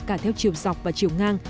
cả theo chiều dọc và chiều ngang